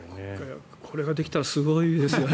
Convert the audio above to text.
これができたらすごいですよね。